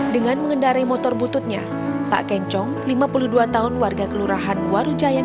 dengan mengendari motor bututnya pak kencong lima puluh dua tahun warga kelurahan warujayang